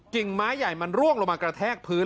่งไม้ใหญ่มันร่วงลงมากระแทกพื้น